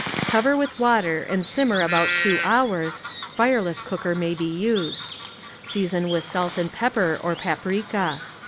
Co\er with water and simmer about two hours (fireless cooker may be used) ; season with salt and pepper or paprika.